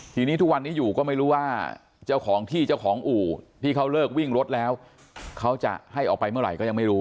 ทีนี้ทุกวันนี้อยู่ก็ไม่รู้ว่าเจ้าของที่เจ้าของอู่ที่เขาเลิกวิ่งรถแล้วเขาจะให้ออกไปเมื่อไหร่ก็ยังไม่รู้